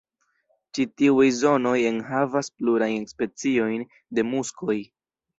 Ĉi tiuj zonoj enhavas plurajn speciojn de muskoj.